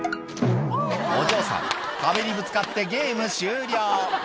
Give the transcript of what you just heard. お嬢さん壁にぶつかってゲーム終了